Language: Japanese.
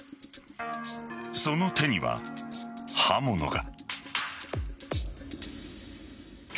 その手には刃物が。